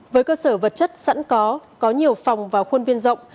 với cơ sở vật chất sẵn có có nhiều phòng và khuôn viên rộng